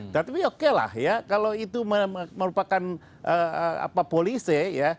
tapi okelah ya kalau itu merupakan polisi ya